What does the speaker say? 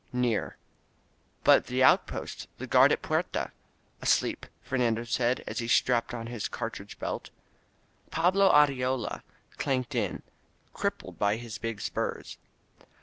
"Near." "But the outpost — ^the guard at the Puerta?" "Asleep," Fernando said, as he strapped on his cart ridge belt. Pablo Arriola clanked in, crippled by his big spurs.